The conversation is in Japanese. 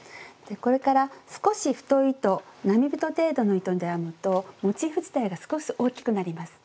これから少し太い糸並太程度の糸で編むとモチーフ自体が少し大きくなります。